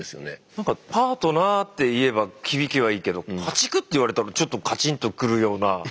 何かパートナーって言えば響きはいいけど家畜っていわれたらちょっとカチンとくるような何かね。